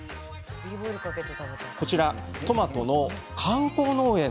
こちらはトマトの観光農園。